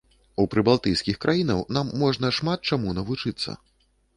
У прыбалтыйскіх краінаў нам можна шмат чаму навучыцца.